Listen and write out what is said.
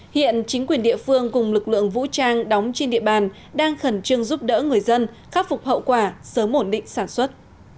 hiện chính quyền địa phương cùng lực lượng vũ trang đóng trên địa bàn đang khẩn trương giúp đỡ người dân khắc phục hậu quả sớm ổn định sản xuất